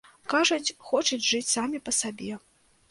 Кажуць, хочуць жыць самі па сабе.